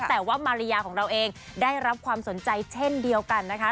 แต่ว่ามาริยาของเราเองได้รับความสนใจเช่นเดียวกันนะคะ